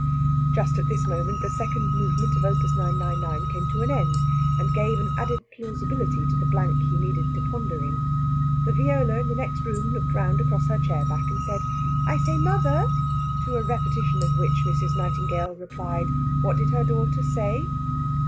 Just at this moment the second movement of Op. 999 came to an end, and gave an added plausibility to the blank he needed to ponder in. The viola in the next room looked round across her chair back, and said, "I say, mother" to a repetition of which Mrs. Nightingale replied what did her daughter say?